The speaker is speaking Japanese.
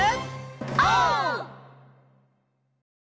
オー！